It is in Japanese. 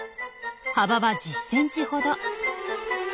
幅は１０ｃｍほど。